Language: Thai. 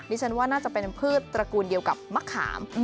ฉันว่าน่าจะเป็นพืชตระกูลเดียวกับมะขาม